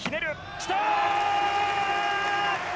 きた！